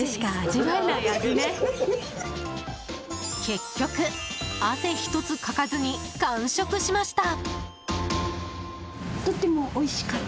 結局、汗ひとつかかずに完食しました。